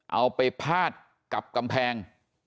เอาไปพาดกับกำแพง